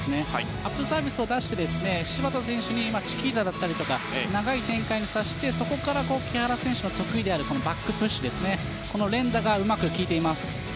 アップサービスを出して芝田選手にチキータだったり長い展開にさせてそこから木原選手が得意なバックプッシュ、この連打がうまく効いています。